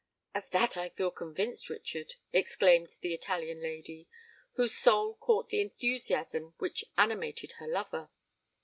"Of that I feel convinced, Richard," exclaimed the Italian lady, whose soul caught the enthusiasm which animated her lover.